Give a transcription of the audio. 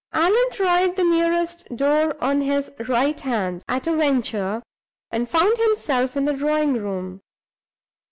Allan tried the nearest door on his right hand at a venture, and found himself in the drawing room.